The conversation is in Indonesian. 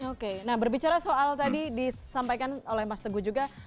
oke nah berbicara soal tadi disampaikan oleh mas teguh juga